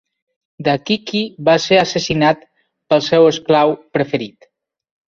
Daqiqi va ser assassinat pel seu esclau preferit.